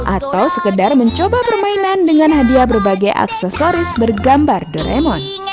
atau sekedar mencoba permainan dengan hadiah berbagai aksesoris bergambar doremon